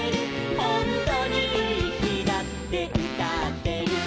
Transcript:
「ほんとにいい日だって歌ってる」